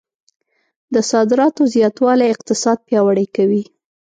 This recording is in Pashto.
د صادراتو زیاتوالی اقتصاد پیاوړی کوي.